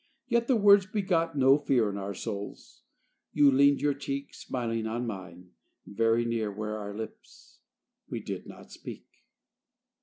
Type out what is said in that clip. Yet the words begot no fear In our souls: you leaned your cheek Smiling on mine: very near Were our lips: we did not speak.